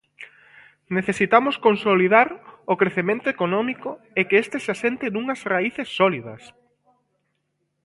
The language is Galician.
Necesitamos consolidar o crecemento económico e que este se asente nunhas raíces sólidas.